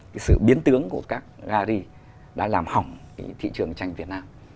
cái sự biến tướng của các gà ri đã làm hỏng thị trường tranh việt nam